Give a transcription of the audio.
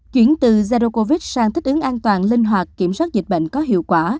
chuyển từ zroo covid sang thích ứng an toàn linh hoạt kiểm soát dịch bệnh có hiệu quả